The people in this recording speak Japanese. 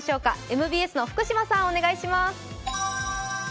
ＭＢＳの福島さん、お願いします。